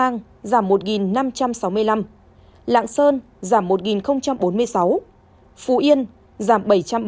nghệ an tăng một năm trăm sáu mươi năm lạng sơn giảm một bốn mươi sáu phú yên giảm bảy trăm bảy mươi bảy